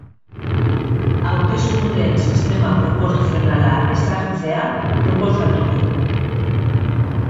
Hauteskundeen sistema proportzionala ezartzea proposatu du.